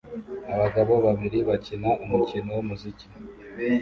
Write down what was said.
Abagabo babiri bakina umukino wumuziki